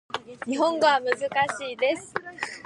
日本語は難しいです